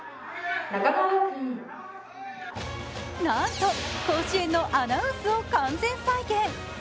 なんと、甲子園のアナウンスを完全再現。